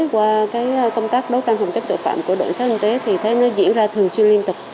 qua công tác đấu tranh hồng chất tội phạm của đội xác hành tế thì thấy nó diễn ra thường xuyên liên tục